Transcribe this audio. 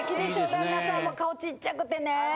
旦那さんも顔ちっちゃくてね。